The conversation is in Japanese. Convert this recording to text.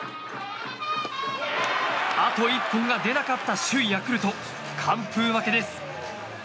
あと１本が出なかった首位ヤクルト、完封負けです。